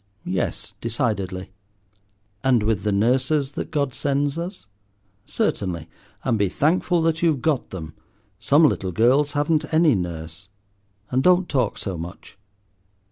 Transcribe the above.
"Yes, decidedly." "And with the nurses that God sends us?" "Certainly; and be thankful that you've got them, some little girls haven't any nurse. And don't talk so much."